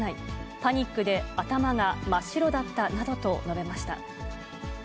パニックで頭が真っ白だったなどと述べました。